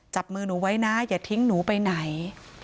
จับมือหนูไว้นะอย่าทิ้งหนูไปไหน